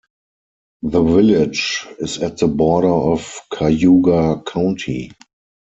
The village is at the border of Cayuga County.